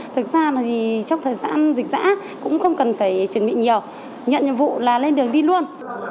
thực ra là trong thời gian dịch giã cũng không cần phải chuẩn bị nhiều nhận nhiệm vụ là lên đường đi luôn